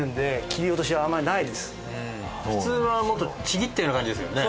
普通はもっとちぎったような感じですよね？